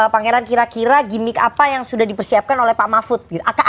pangeran kira kira gimmick apa yang sudah dipersiapkan oleh pak mahfud